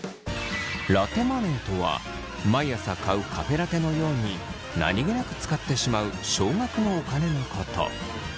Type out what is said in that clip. ラテマネーとは毎朝買うカフェラテのように何気なく使ってしまう少額のお金のこと。